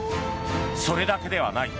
それだけではない。